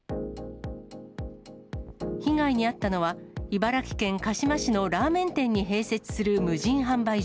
被害に遭ったのは、茨城県鹿嶋市のラーメン店に併設する無人販売所。